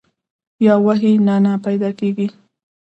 یا وحي نه نۀ پېدا کيږي